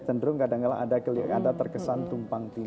terkesan tumpang tinggi